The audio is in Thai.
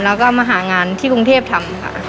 แล้วก็มาหางานที่กรุงเทพทำค่ะ